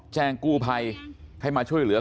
แจ้งกู้ภัยให้มาช่วยเหลือ